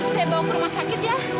saya bawa ke rumah sakit ya